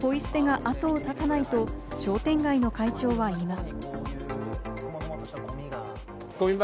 それでもポイ捨てが後を絶たないと商店会の会長は言います。